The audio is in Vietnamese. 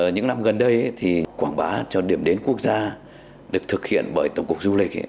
những năm gần đây thì quảng bá cho điểm đến quốc gia được thực hiện bởi tổng cục du lịch